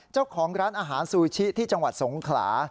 เจ้าของร้านอาหารซูชิที่จังหวัดสงขลา